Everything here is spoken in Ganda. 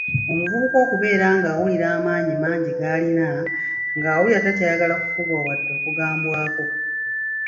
Omuvubuka okubeera ng'awulira amaanyi mangi galina, ng'awulira takyayagala kufugwa wadde okugambwako.